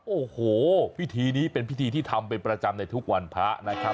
โอ้โหพิธีนี้เป็นพิธีที่ทำเป็นประจำในทุกวันพระนะครับ